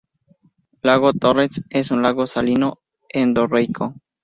Lago Torrens es un lago salino endorreico.